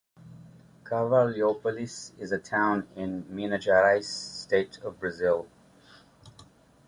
Carvalhópolis is a town in Minas Geraes State of Brazil.